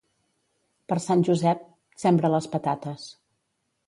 Per Sant Josep, sembra les patates.